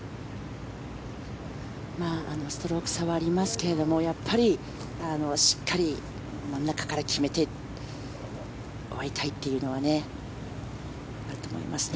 ストローク差はありますけれどもやっぱりしっかり真ん中から決めて終わりたいというのはあると思いますね。